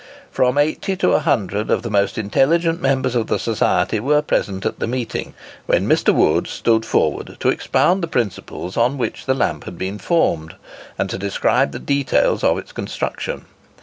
From eighty to a hundred of the most intelligent members of the society were present at the meeting, when Mr. Wood stood forward to expound the principles on which the lamp had been formed, and to describe the details of its construction.